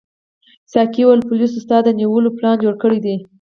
ساقي وویل پولیسو ستا د نیولو پلان جوړ کړی دی.